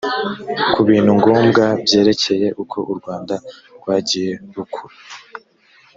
ku bintu ngombwa byerekeye uko u rwanda rwagiye rukura